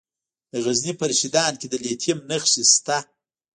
د غزني په رشیدان کې د لیتیم نښې شته.